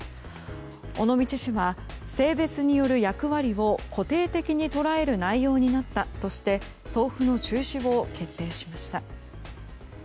尾道市は性別による役割を固定的に捉える内容になったとして送付の中止を決定しました。